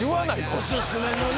おすすめのね